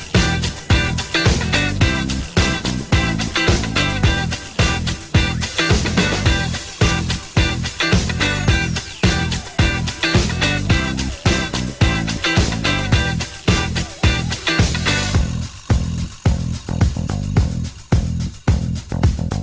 วันนี้ต้องขอบคุณคุณพี่เบอร์มานะครับ